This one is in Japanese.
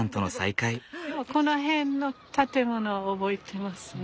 この辺の建物は覚えてますね。